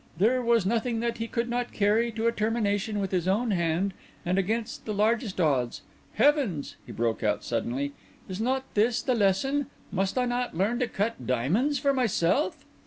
There was nothing that he could not carry to a termination with his own hand, and against the largest odds. Heavens!" he broke out suddenly, "is not this the lesson? Must I not learn to cut diamonds for myself?"